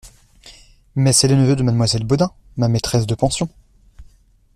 Mais c’est le neveu de mademoiselle Bodin, ma maîtresse de pension…